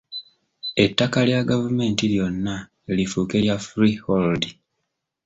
Ettaka lya gavumenti lyonna lifuuke lya freehold.